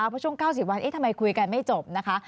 เพราะช่วง๙๐วันทำไมคุยกันไม่จบนะคะ